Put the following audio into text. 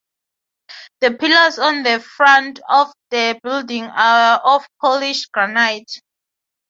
The pillars on the front of the building are of polished granite.